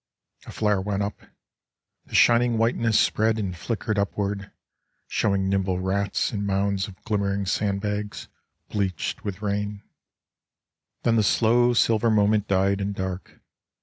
A flare went up; the shining whiteness spread And flickered upward, showing nimble rats And mounds of glimmering sand bags, bleached with rain; Then the slow silver moment died in dark.